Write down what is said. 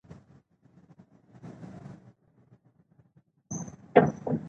موږ باید د یو بل نظر ته په خلاص ذهن وګورو